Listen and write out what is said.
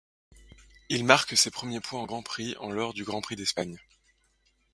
Il marque ses premiers points en grand prix en lors du Grand Prix d'Espagne.